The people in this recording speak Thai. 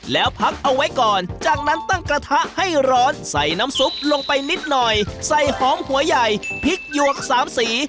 แล้วพักเอาไว้ก่อนจากนั้นตั้งกระทะให้ร้อนใส่น้ำซุปลงไปนิดหน่อยใส่หอมหัวใหญ่พริกหยวกสามสี